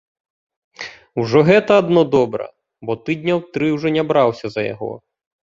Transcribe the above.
Ужо гэта адно добра, бо тыдняў тры ўжо не браўся за яго.